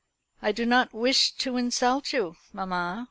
"I do not wish to insult you, mamma.